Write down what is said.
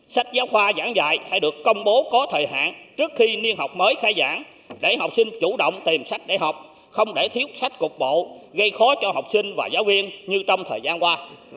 sách giáo khoa giảng dạy phải được công bố có thời hạn trước khi niên học mới khai giảng để học sinh chủ động tìm sách để học không để thiếu sách cục bộ gây khó cho học sinh và giáo viên như trong thời gian qua